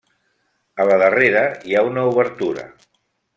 A la darrera hi ha una obertura.